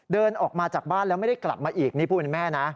เดินออกมาจากบ้านแล้วไม่ได้กลับมาอีกนี่ผู้เป็นแม่นะ